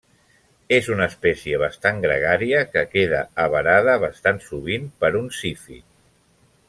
És una espècie bastant gregària que queda avarada bastant sovint per un zífid.